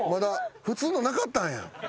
普通のなかったんや。